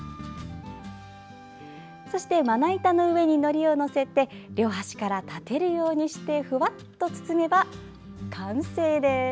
そして、まな板の上にのりを載せて両端から立てるようにしてふわっと包めば完成です。